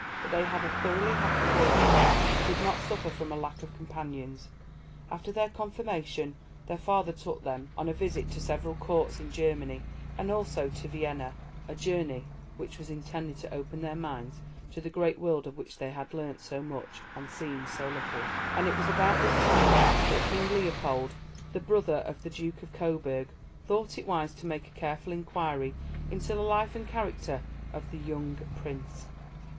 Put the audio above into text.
But they had a thoroughly happy boyhood and did not suffer from a lack of companions. After their confirmation their father took them on a visit to several Courts in Germany, and also to Vienna a journey which was intended to open their minds to the great world of which they had learnt so much and seen so little; and it was about this time that King Leopold, the brother of the Duke of Coburg, thought it wise to make a careful inquiry into the life and character of the young Prince.